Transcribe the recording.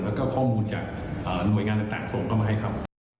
แล้วก็ข้อมูลจากหน่วยงานต่างส่งเข้ามาให้ครับ